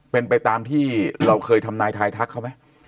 เป็นไปตามที่เราเคยทำนายทายทักเขาไหม